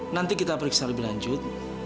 nanti kita periksa lebih lanjut